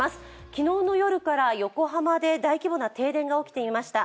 昨日の夜から横浜で大規模な停電が起きていました。